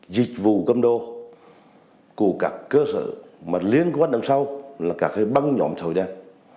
dịch vụ cầm đồ của các cơ sở liên quan đến sau là các băng nhỏm chầu đen